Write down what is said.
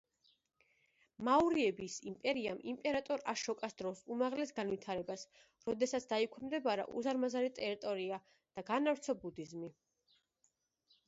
მაურიების იმპერიამ იმპერატორ აშოკას დროს უმაღლეს განვითარებას, როდესაც დაიქვემდებარა უზარმაზარი ტერიტორია და განავრცო ბუდიზმი.